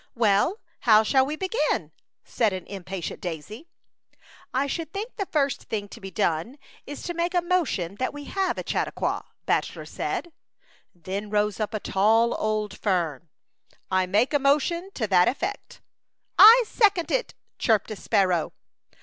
" Well, how shall we begin ?'' said an impatient daisy. " I should think the first thing to be done is to make a motion that we have a Chautauqua,'' Bachelor said. Then rose up a tall old fern. " I make a motion to that effect." '' I second it," chirped a sparrow.